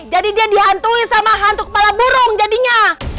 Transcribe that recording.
jadi dia dihantui sama hantu kepala burung jadinya